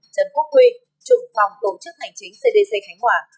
trần quốc huy trưởng phòng tổ chức hành chính cdc khánh hòa